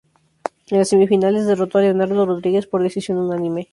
En las semifinales, derrotó a Leonardo Rodríguez por decisión unánime.